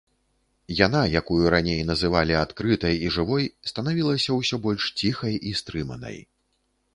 Яна, якую раней называлі адкрытай і жывой, станавілася ўсё больш ціхай і стрыманай.